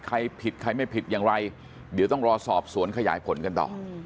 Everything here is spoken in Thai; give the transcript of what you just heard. ใครผิดใครไม่ผิดอย่างไรเดี๋ยวต้องรอสอบสวนขยายผลกันต่อ